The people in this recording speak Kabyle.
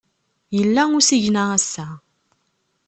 Yella usigna ass-a.